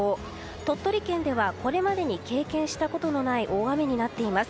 鳥取県ではこれまでに経験したことのない大雨になっています。